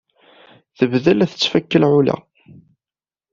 Tebda la tettfaka lɛula.